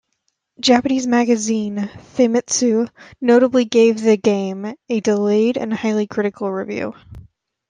Japanese magazine "Famitsu" notably gave the game a delayed and highly critical review.